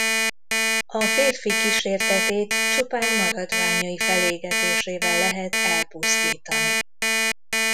A férfi kísértetét csupán maradványai felégetésével lehet elpusztítani.